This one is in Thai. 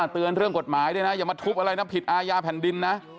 เตือนเรื่องกฎหมายด้วยนะอย่ามาทุบอะไรนะผิดอาญาแผ่นดินนะ